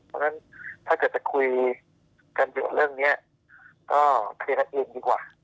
เพราะฉะนั้นถ้าเกิดจะคุยกันอยู่เรื่องนี้ก็เคลียร์กันเองดีกว่า